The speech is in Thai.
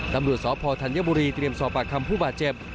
ตำรวจสพธัญบุรีเตรียมสอบปากคำผู้บาดเจ็บ